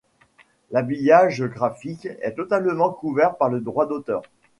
L'habillage graphique est totalement couvert par le droit d'auteur.